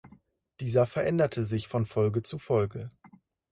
Dieser veränderte sich von Folge zu Folge.